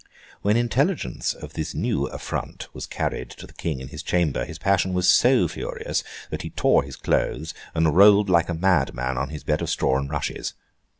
When intelligence of this new affront was carried to the King in his chamber, his passion was so furious that he tore his clothes, and rolled like a madman on his bed of straw and rushes.